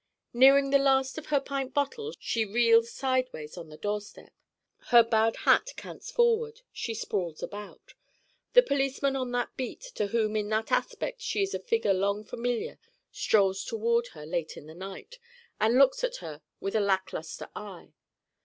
Nearing the last of her pint bottles she reels sideways on the doorstep: her bad hat cants forward: she sprawls about. The policeman on that beat to whom in that aspect she is a figure long familiar strolls toward her late in the night and looks at her with a lackluster eye.